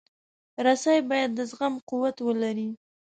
رسۍ باید د زغم قوت ولري.